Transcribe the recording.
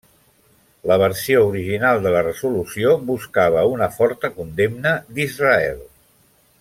La versió original de la resolució buscava una forta condemna d'Israel.